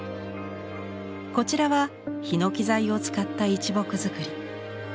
こちらはヒノキ材を使った一木造り。